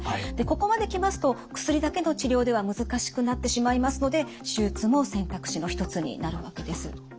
ここまで来ますと薬だけの治療では難しくなってしまいますので手術も選択肢の一つになるわけです。